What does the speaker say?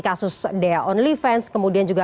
kasus dea only fans kemudian juga